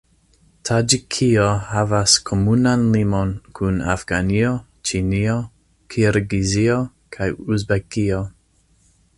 Taĝikio havas komunan limon kun Afganio, Ĉinio, Kirgizio kaj Uzbekio.